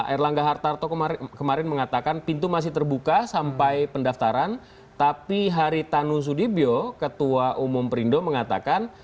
erlangga hartarto kemarin mengatakan pintu masih terbuka sampai pendaftaran tapi haritanu sudibyo ketua umum perindo mengatakan